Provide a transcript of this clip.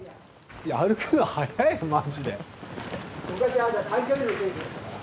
いや歩くの早いマジで。